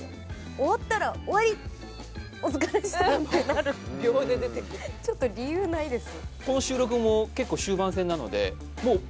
終わったら終わりお疲れさまでしたってなる秒で出てくちょっと理由ないです